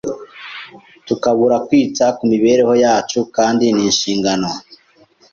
tukabura kwita ku mibereho yacu kandi n’inshingano